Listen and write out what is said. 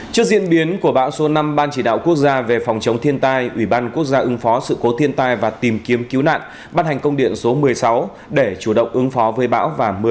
trước diễn biến của bão số năm ban chỉ đạo quốc gia về phòng chống thiên tai ủy ban quốc gia ứng phó sự cố thiên tai và tìm kiếm cứu nạn bắt hành công điện số một mươi sáu để chủ động ứng phó với bão và mưa lớn